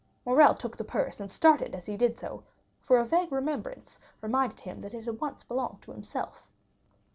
Morrel took the purse, and started as he did so, for a vague remembrance reminded him that it once belonged to himself.